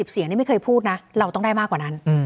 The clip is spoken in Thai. เสียงนี่ไม่เคยพูดนะเราต้องได้มากกว่านั้น